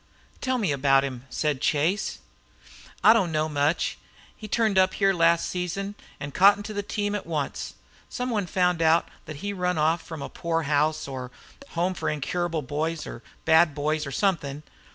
"Tell me about him," said Chase. "I don't know much. He turned up here last season, and cottoned to the team at once. Some one found out that he ran off from a poor house, or home for incurables or bad boys or something.